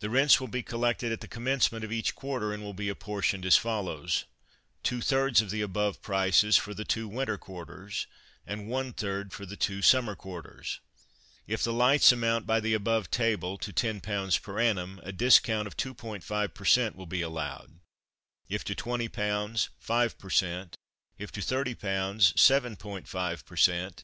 The Rents will be collected at the commencement of each Quarter, and will be apportioned as follows: Two thirds of the above prices for the two winter quarters, and One third for the two summer quarters. If the Lights amount, by the above table, to 10 pounds per annum, a Discount of 2.5 per cent. will be allowed; if to 20 pounds, 5 per cent.; if to 30 pounds, 7.5 per cent.